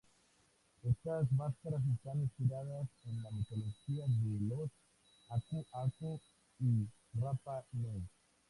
Estas máscaras están inspiradas en la mitología de los Aku-Aku y Rapa Nui.